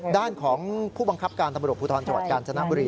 ด้านของผู้บังคับการตำรวจภูทรจังหวัดกาญจนบุรี